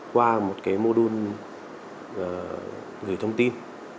qua một cái mô đun gửi thông tin